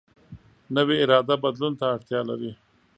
نوې اراده بدلون ته اړتیا لري